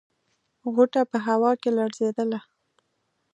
غوټه په هوا کې لړزېدله.